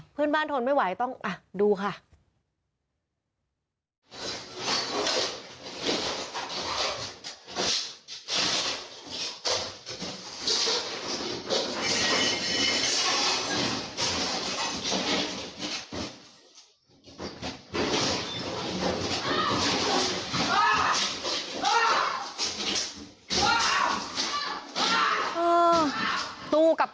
เพื่อนบ้านทนไม่ไหวต้องดูค่ะ